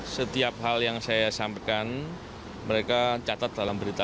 setiap hal yang saya sampaikan mereka catat dalam berita